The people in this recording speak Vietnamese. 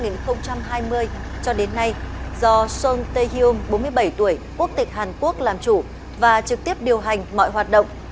năm hai nghìn hai mươi cho đến nay do son tae hyung bốn mươi bảy tuổi quốc tịch hàn quốc làm chủ và trực tiếp điều hành mọi hoạt động